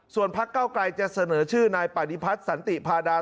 ส่วนพักเก้าไกลจะเสนอชื่อนายปฏิพัฒน์สันติพาดา